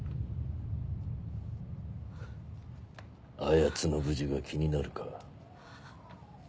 あやつの無事が気になるか？